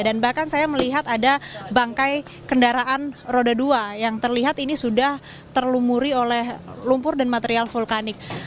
dan bahkan saya melihat ada bangkai kendaraan roda dua yang terlihat ini sudah terlumuri oleh lumpur dan material vulkan